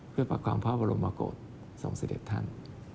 เพื่อประคองพระบรมโกศส่งเสด็จท่าน